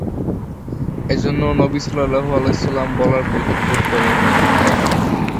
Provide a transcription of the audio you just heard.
এজন্য নবী সঃ বলার প্রয়োজন বোধ করেন নি।